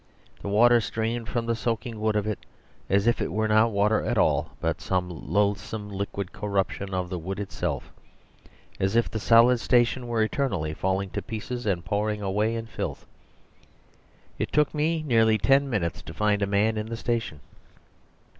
The water streamed from the soaking wood of it as if it were not water at all, but some loathsome liquid corruption of the wood itself; as if the solid station were eternally falling to pieces and pouring away in filth. It took me nearly ten minutes to find a man in the station.